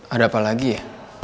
ada apa lagi ya